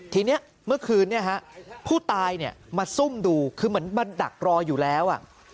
ทีนี้เมื่อคืนเนี่ยฮะผู้ตายเนี่ยมาซุ่มดูคือเหมือนมันดักรออยู่แล้วอ่ะ